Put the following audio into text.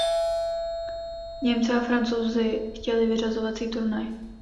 Němci a Francouzi chtěli vyřazovací turnaj.